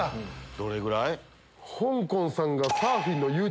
どれぐらい？